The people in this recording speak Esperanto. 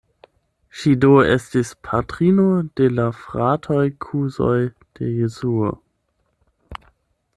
Ŝi do estis patrino de la fratoj-kuzoj de Jesuo.